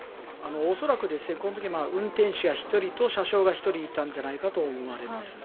恐らくこのとき運転士が１人と車掌が１人いたんじゃないかと思われます。